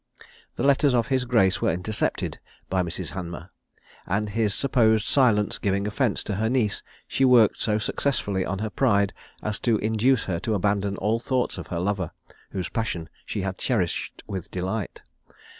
The letters of his grace were intercepted by Mrs. Hanmer; and his supposed silence giving offence to her niece, she worked so successfully on her pride as to induce her to abandon all thoughts of her lover, whose passion she had cherished with delight.